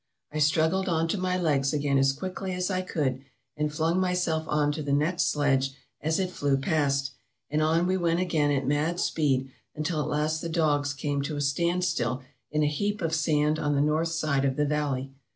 I struggled on to my legs again as quickly as I could, and flung myself on to the next sledge as it flew past, and on we went again at mad speed until at last the dogs came to a standstill in a heap of sand on the north side of the valley.